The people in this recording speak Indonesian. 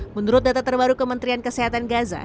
menurut data terbaru kementerian kesehatan gaza